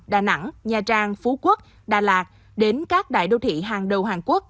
đà nẵng nha trang phú quốc đà lạt đến các đại đô thị hàng đầu hàn quốc